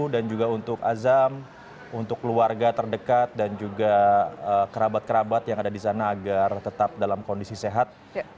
dan juga untuk azam untuk keluarga terdekat dan juga kerabat kerabat yang ada di sana agar tetap dalam kondisi sehat